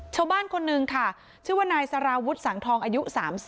คนนึงค่ะชื่อว่านายสารวุฒิสังทองอายุ๓๐